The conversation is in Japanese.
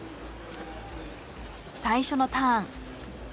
最初のターン。